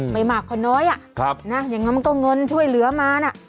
ไม่มากค่อนน้อยอะอย่างนั้นมันก็เงินช่วยเหลือมานะ